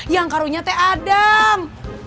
yang karunnya teh adam